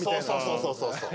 そうそうそうそう。